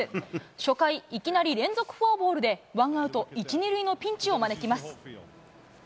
初回、いきなり連続フォアボールで、ワンアウト１、２塁のピンチを招きます。